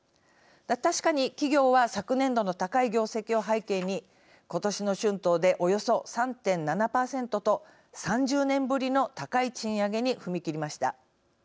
確かに企業は昨年度の高い業績を背景に今年の春闘でおよそ３．７％と３０年ぶりの高い賃上げに踏み切りました。